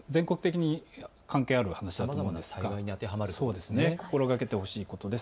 全国的に関係がある話なんですが心がけてほしいことです。